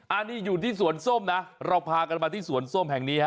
อันนี้อยู่ที่สวนส้มนะเราพากันมาที่สวนส้มแห่งนี้ฮะ